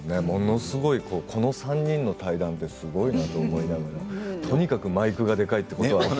ものすごいこの３人の対談ってすごいなと思いながらとにかくマイクがでかいということは。